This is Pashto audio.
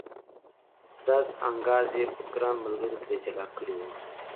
ډز انګاز یې ګران ملګري ترې جلا کړی و.